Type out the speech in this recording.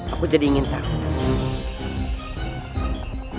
aku jadi ingin tahu